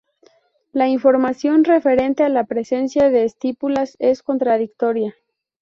La información referente a la presencia de estípulas es contradictoria.